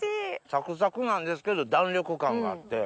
サクサクなんですけど弾力感があって。